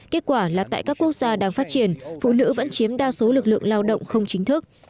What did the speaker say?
kết quả là tại các quốc gia đang phát triển phụ nữ vẫn chiếm đa số lực lượng lao động không chính thức